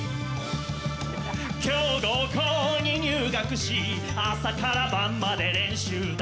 「強豪校に入学し朝から晩まで練習だ」